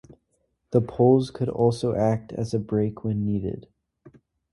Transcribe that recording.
The poles could also act as a brake when needed.